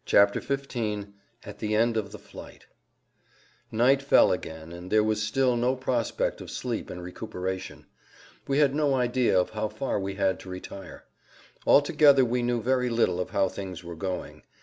[Pg 120] XV AT THE END OF THE FLIGHT Night fell again, and there was still no prospect of sleep and recuperation. We had no idea of how far we had to retire. Altogether we knew very little of how things were going.